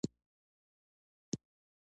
د مینې اوه عاشقانه دورې.